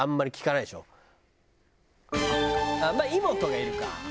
まあイモトがいるか。